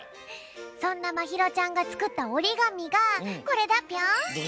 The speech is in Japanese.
そんなまひろちゃんがつくったおりがみがこれだぴょん。